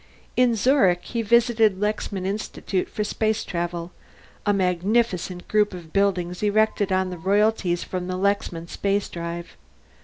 In Zurich he visited the Lexman Institute for Space Travel, a magnificent group of buildings erected on the royalties from the Lexman Spacedrive.